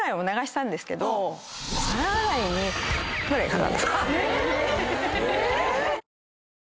皿洗いにぐらいかかる。